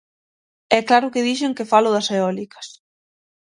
E claro que dixen que falo das eólicas.